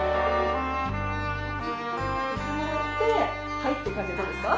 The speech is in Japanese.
はいって感じでどうですか？